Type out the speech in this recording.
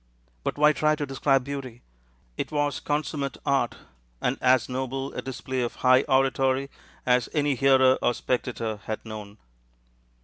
But why try to describe beauty? It was consummate art, and as noble a display of high oratory as any hearer or spectator had known.